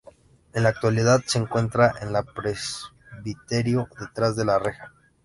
En la actualidad se encuentra en el presbiterio, detrás de la reja.